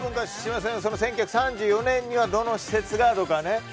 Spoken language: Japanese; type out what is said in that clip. １９３４年にはどの施設があるか。